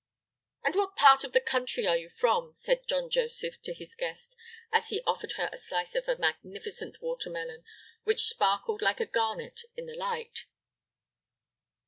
"And what part of the country are you from?" said John Joseph to his guest, as he offered her a slice of a magnificent watermelon, which sparkled like a garnet in the light.